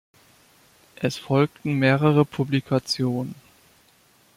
Es folgten mehrere Publikationen.